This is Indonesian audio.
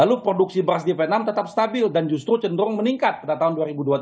lalu produksi beras di vietnam tetap stabil dan justru cenderung meningkat pada tahun dua ribu dua puluh tiga